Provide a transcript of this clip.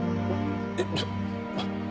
えっ？